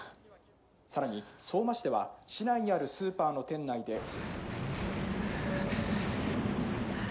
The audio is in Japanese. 更に相馬市では市内にあるスーパーの店内で」。